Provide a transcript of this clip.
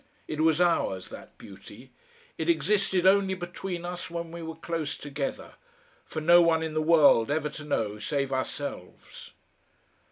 It was ours, that beauty; it existed only between us when we were close together, for no one in the world ever to know save ourselves.